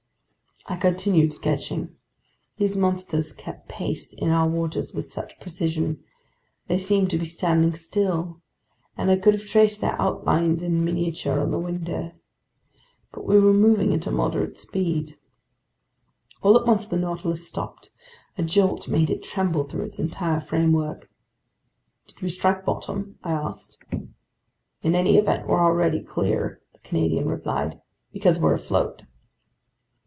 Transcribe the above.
I continued sketching. These monsters kept pace in our waters with such precision, they seemed to be standing still, and I could have traced their outlines in miniature on the window. But we were moving at a moderate speed. All at once the Nautilus stopped. A jolt made it tremble through its entire framework. "Did we strike bottom?" I asked. "In any event we're already clear," the Canadian replied, "because we're afloat."